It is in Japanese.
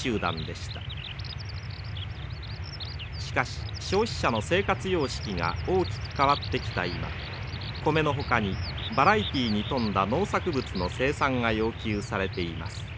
しかし消費者の生活様式が大きく変わってきた今米のほかにバラエティーに富んだ農作物の生産が要求されています。